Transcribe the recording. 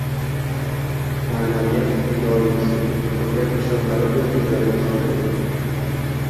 “Ma’naviyat fidoyisi” ko‘krak nishonlari o‘z egalariga topshirildi